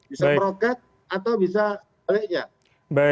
bisa meroket atau bisa baliknya